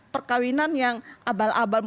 perkawinan yang abal abal